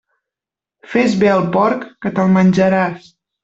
Fes bé al porc, que te'l menjaràs.